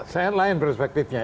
saya lain perspektifnya